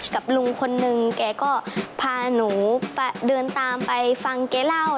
กับลุงคนนึงแกก็พาหนูเดินตามไปฟังแกเล่า